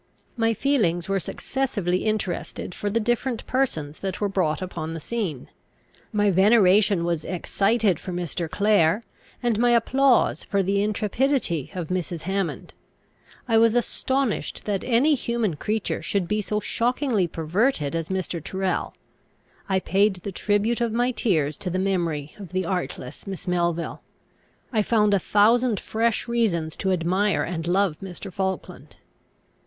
My feelings were successively interested for the different persons that were brought upon the scene. My veneration was excited for Mr. Clare, and my applause for the intrepidity of Mrs. Hammond. I was astonished that any human creature should be so shockingly perverted as Mr. Tyrrel. I paid the tribute of my tears to the memory of the artless Miss Melville. I found a thousand fresh reasons to admire and love Mr. Falkland.